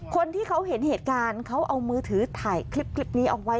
คนที่เขาเห็นเหตุการณ์เขาเอามือถือถ่ายคลิปนี้เอาไว้